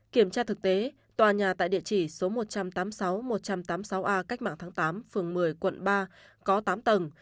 kiểm tra thực tế tòa nhà tại địa chỉ số một trăm tám mươi sáu một trăm tám mươi sáu a cách mạng tháng tám phường một mươi quận ba có tám tầng